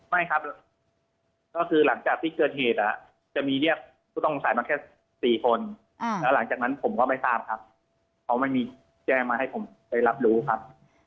ไม่ครับก็คือหลังจากที่เกิดเหตุจะมีเรียกผู้ต้องสัยมาแค่๔คนแล้วหลังจากนั้นผมก็ไม่ทราบครับเขาไม่มีแจ้งมาให้ผมได้รับรู้ครับ